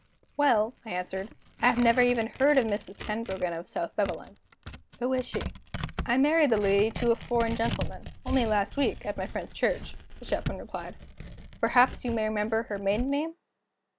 "Well," I answered; "I never even heard of Mrs. Tenbruggen, of South Beveland. Who is she?" "I married the lady to a foreign gentleman, only last week, at my friend's church," the Chaplain replied. "Perhaps you may remember her maiden name?"